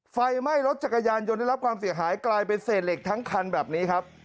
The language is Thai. ไฟไหม้รถจักรยานยนต์ได้รับความเสียหายกลายเป็นเศษเหล็กทั้งคันแบบนี้ครับ